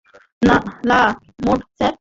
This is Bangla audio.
লা মোড, স্যার।